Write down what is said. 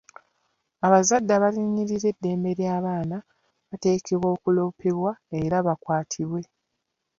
Abazadde abalinnyirira eddembe ly'abaana bateekwa okuloopebwa era bakwatibwe.